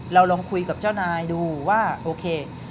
ลองคุยกับเจ้านายดูว่าโอเค